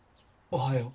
おはよう。